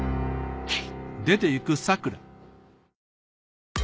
はい！